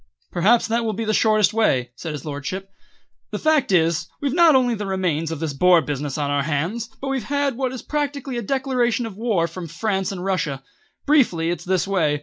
"Perhaps that will be the shortest way," said his lordship. "The fact is, we've not only the remains of this Boer business on our hands, but we've had what is practically a declaration of war from France and Russia. Briefly it's this way.